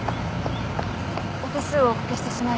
お手数をお掛けしてしまい